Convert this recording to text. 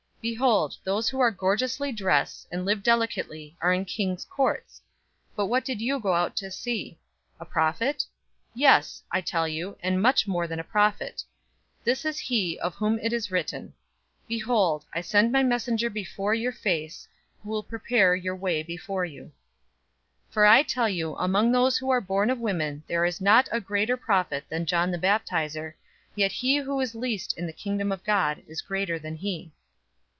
Behold, those who are gorgeously dressed, and live delicately, are in kings' courts. 007:026 But what did you go out to see? A prophet? Yes, I tell you, and much more than a prophet. 007:027 This is he of whom it is written, 'Behold, I send my messenger before your face, who will prepare your way before you.'{Malachi 3:1} 007:028 "For I tell you, among those who are born of women there is not a greater prophet than John the Baptizer, yet he who is least in the Kingdom of God is greater than he."